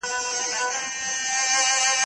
درد به په چټکۍ سره له دغه ځایه کډه وکړي.